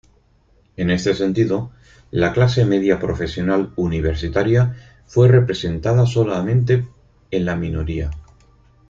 En este sentido, la clase media profesional universitaria fue representada solamente en la minoría.